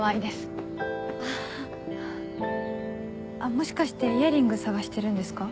もしかしてイヤリング捜してるんですか？